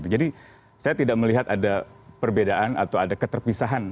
jadi saya tidak melihat ada perbedaan atau ada keterpisahan